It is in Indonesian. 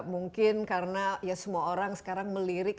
mungkin karena ya semua orang sekarang melirik